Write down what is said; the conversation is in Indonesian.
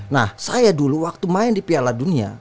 nah saya dulu waktu main di piala dunia